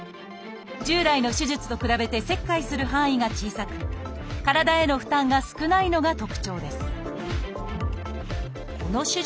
従来の手術と比べて切開する範囲が小さく体への負担が少ないのが特徴です